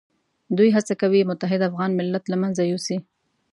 دوی هڅه کوي متحد افغان ملت له منځه یوسي.